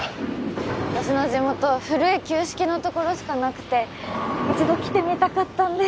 私の地元古い旧式のところしかなくて一度来てみたかったんです